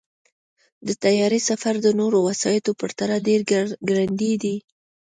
د طیارې سفر د نورو وسایطو پرتله ډېر ګړندی دی.